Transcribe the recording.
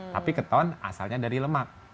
tapi keton asalnya dari lemak